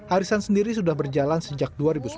arisan sendiri sudah berjalan sejak dua ribu sembilan belas